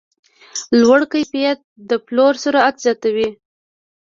لوړ کیفیت د پلور سرعت زیاتوي.